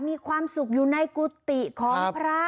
มีความสุขอยู่ในกุฏิของพระ